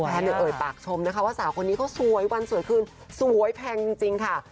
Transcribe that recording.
เอ่ยปากชมนะคะว่าสาวคนนี้เขาสวยวันสวยคืนสวยแพงจริงค่ะ